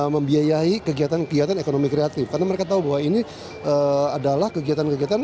membiayai kegiatan kegiatan ekonomi kreatif karena mereka tahu bahwa ini adalah kegiatan kegiatan